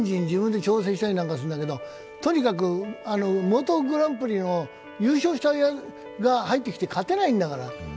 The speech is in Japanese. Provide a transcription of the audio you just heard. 自分で調整したりなんかするんだけど、とにかくモーターグランプリ優勝したやつが入ってきて、勝てないんだから。